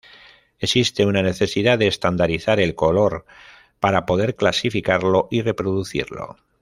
Existe una necesidad de estandarizar el color para poder clasificarlo y reproducirlo.